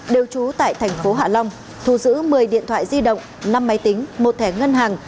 đều trú tại thành phố hạ long thu giữ một mươi điện thoại di động năm máy tính một thẻ ngân hàng